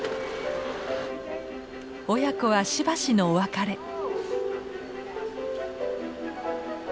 親子はしばしのお別れ。